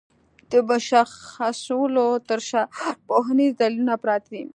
د مشخصولو تر شا ارواپوهنيز دليلونه پراته دي.